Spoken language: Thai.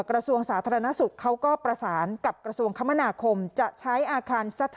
กระทรวงสาธารณสุขเขาก็ประสานกับกระทรวงคมนาคมจะใช้อาคารสถาน